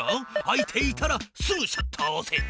開いていたらすぐシャッターをおせ。